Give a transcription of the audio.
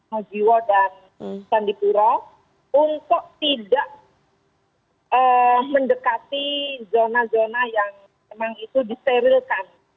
mojiwo dan sandipura untuk tidak mendekati zona zona yang memang itu disterilkan